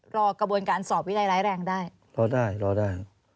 รอกระบวนการสอบวินัยร้ายแรงได้รอได้รอได้